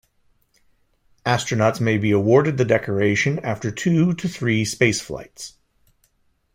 Astronauts may be awarded the decoration after two to three space flights.